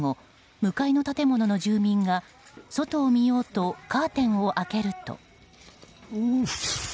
向かいの建物の住民が外を見ようとカーテンを開けると。